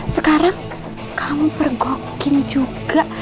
sekarang kamu pergokin juga